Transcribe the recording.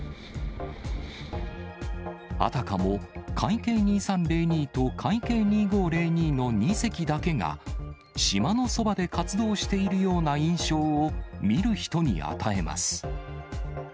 あたかも海警２３０２と海警２５０２の２隻だけが、島のそばで活動しているような印象を見る人に与えます。